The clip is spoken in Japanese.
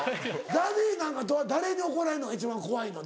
ＺＡＺＹなんか誰に怒られるのが一番怖いの？